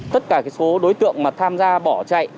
tất cả số đối tượng mà tham gia bỏ chạy